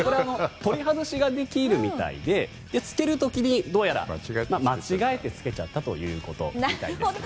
取り外しができるみたいでつけるときにどうやら間違えてつけちゃったということみたいですね。